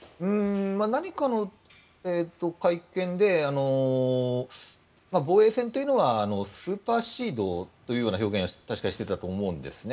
何かの会見で防衛戦というのはスーパーシードというような表現をしていたと確か、思うんですね。